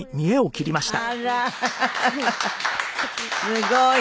すごい。